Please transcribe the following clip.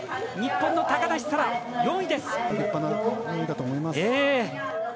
日本の高梨沙羅、４位です。